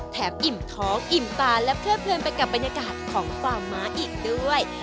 อิ่มท้องอิ่มตาและเพลิดเพลินไปกับบรรยากาศของฟาร์มม้าอีกด้วย